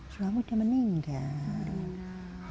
suami sudah meninggal